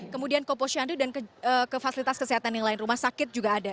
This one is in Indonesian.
kemudian ke posyandu dan ke fasilitas kesehatan yang lain rumah sakit juga ada